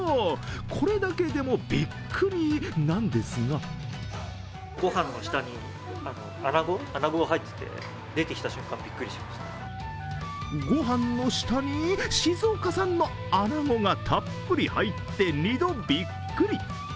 これだけでもびっくりなんですが御飯の下に静岡産の穴子がたっぷり入って二度びっくり。